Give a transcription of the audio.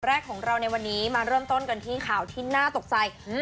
แรกของเราในวันนี้มาเริ่มต้นกันที่ข่าวที่น่าตกใจอืม